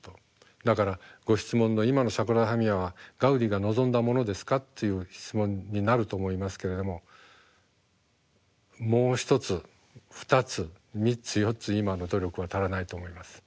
だからご質問の「今のサグラダ・ファミリアはガウディが望んだものですか？」っていう質問になると思いますけれどももう１つ２つ３つ４つ今の努力は足らないと思います。